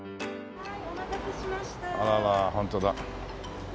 はい。